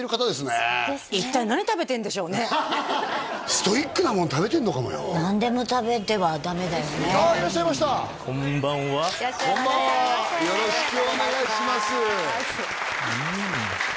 ストイックなもん食べてんのかもよ何でも食べてはダメだよねああいらっしゃいましたこんばんはこんばんはよろしくお願いしますうん！